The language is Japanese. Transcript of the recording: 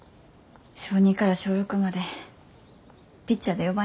小２から小６までピッチャーで四番やった。